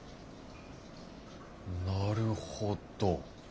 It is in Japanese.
なるほど。